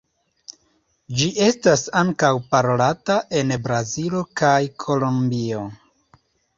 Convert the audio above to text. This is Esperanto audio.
Ĝi estas ankaŭ parolata en Brazilo kaj Kolombio.